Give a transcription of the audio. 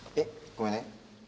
ごめんね。